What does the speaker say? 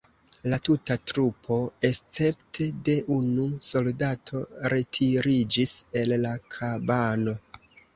La tuta trupo escepte de unu soldato retiriĝis el la kabano.